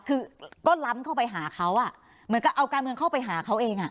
คือก็ล้ำเข้าไปหาเขาอ่ะเหมือนกับเอาการเมืองเข้าไปหาเขาเองอ่ะ